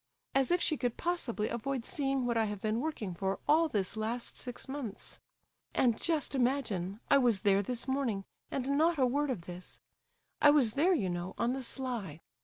As if she could possibly avoid seeing what I have been working for all this last six months! And just imagine, I was there this morning and not a word of this! I was there, you know, on the sly.